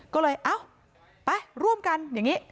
ก็เลยเอ้าไปร่วมกันอย่างนี้